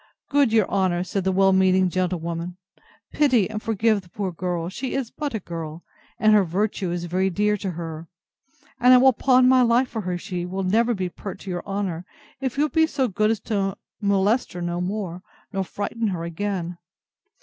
Good your honour, said the well meaning gentlewoman, pity and forgive the poor girl; she is but a girl, and her virtue is very dear to her; and I will pawn my life for her, she will never be pert to your honour, if you'll be so good as to molest her no more, nor frighten her again.